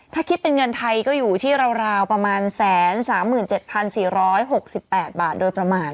ถ้าคิดเป็นเงินไทยก็อยู่ที่ราวประมาณ๑๓๗๔๖๘บาทโดยประมาณ